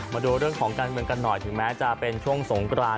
มาดูเรื่องของการเมืองกันหน่อยถึงแม้จะเป็นช่วงสงกราน